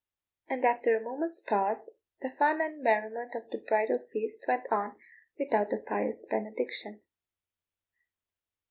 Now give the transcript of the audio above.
And after a moment's pause the fun and merriment of the bridal feast went on without the pious benediction.